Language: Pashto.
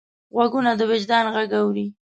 غوږونه د وجدان غږ اوري